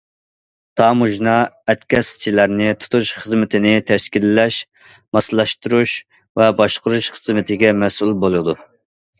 تاموژنا ئەتكەسچىلەرنى تۇتۇش خىزمىتىنى تەشكىللەش، ماسلاشتۇرۇش ۋە باشقۇرۇش خىزمىتىگە مەسئۇل بولىدۇ.